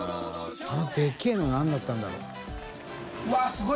△でけぇの何だったんだろう？